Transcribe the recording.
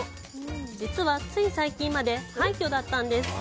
実は、つい最近まで廃墟だったんです。